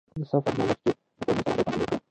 د سفر نه مخکې له کورنۍ سره خدای پاماني وکړه.